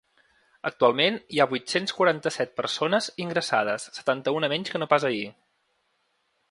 Actualment hi ha vuit-cents quaranta-set persones ingressades, setanta-una menys que no pas ahir.